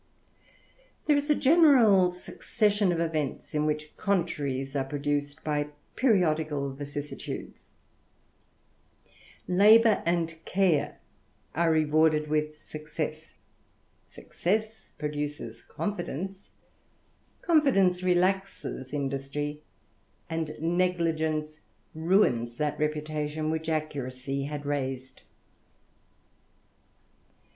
There is a general Succession of events in which contraries are produced t>y periodical vicissitudes ; labour and care are rewarded wi^Vi success, success produces confidence, confidence relaX^^ industry, and negligence ruins that reputation whi^^ accuracy had raised.